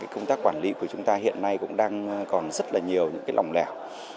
công tác quản lý của chúng ta hiện nay cũng đang còn rất là nhiều những lòng lẻo